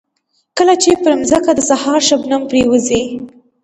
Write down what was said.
کله چې پر ځمکه د سهار شبنم پرېوځي.